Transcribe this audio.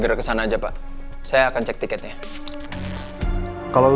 gak usah datang dulu